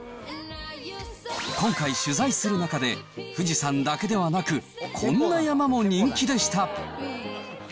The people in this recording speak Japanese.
今回取材する中で、富士山だけではなく、こんな山も人気でした。